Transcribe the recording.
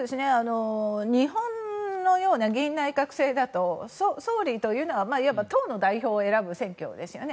日本のような議院内閣制だと総理というのはいわば党の代表を選ぶ選挙ですよね。